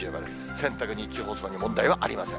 洗濯、日中干すのに問題はありません。